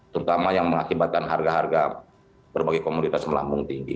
terutama yang mengakibatkan harga harga berbagai komoditas melambung tinggi